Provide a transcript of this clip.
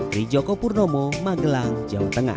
trijoko purnomo magelang jawa tengah